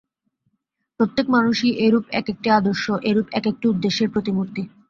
প্রত্যেক মানুষই এইরূপ এক-একটি আদর্শ, এইরূপ এক-একটি উদ্দেশ্যের প্রতিমূর্তি।